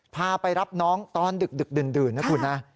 พาไปรับน้องตอนดึกดื่นนะคุณนะ